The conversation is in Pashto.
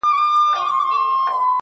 د چا غمو ته به ځواب نه وايو.